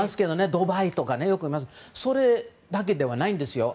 ドバイとかでよく見ますがそれだけではないんですよ。